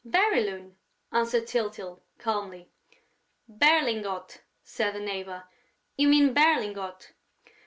"Bérylune," answered Tyltyl, calmly. "Berlingot," said the neighbor. "You mean Berlingot."